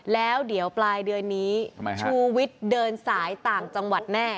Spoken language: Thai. แล้วเดี๋ยวปลายเดือนนี้ชูวิทย์เดินสายต่างจังหวัดแน่